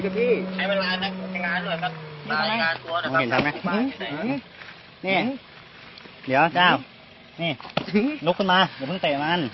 เนี้ยเดี๋ยวเจ้าเนี้ยนุกขึ้นมาเดี๋ยวเพิ่งเตะมัน